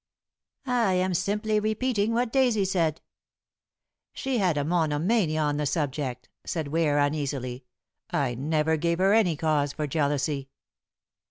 "I am simply repeating what Daisy said." "She had a monomania on the subject," said Ware uneasily. "I never gave her any cause for jealousy."